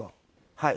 はい。